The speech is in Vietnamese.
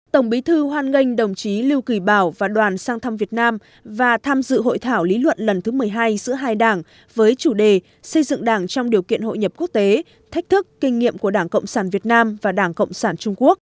tổng bí thư hoan nghênh đồng chí lưu kỳ bảo và đoàn sang thăm việt nam và tham dự hội thảo lý luận lần thứ một mươi hai giữa hai đảng với chủ đề xây dựng đảng trong điều kiện hội nhập quốc tế thách thức kinh nghiệm của đảng cộng sản việt nam và đảng cộng sản trung quốc